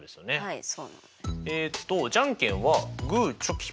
はい。